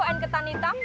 dan ketan hitam